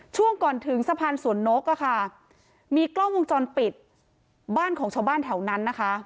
ช่วงก่อนถึงสะพานสวนนกอะค่ะมีกล้องวงจรปิดบ้านของชาวบ้านแถวนั้นนะคะ